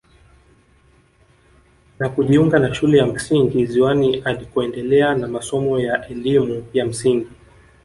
Na kujiunga na shule ya msingi ziwani alikoendelea na masomo ya elimu ya msingi